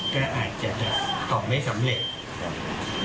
ก็อาจจะต่อไม่สำเร็จ